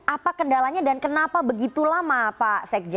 apa kendalanya dan kenapa begitu lama pak sekjen